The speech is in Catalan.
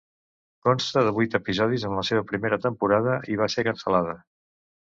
Consta de vuit episodis en la seva primera temporada i va ser cancel·lada.